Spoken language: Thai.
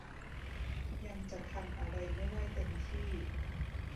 ยังจะทำอะไรไม่ได้เต็มที่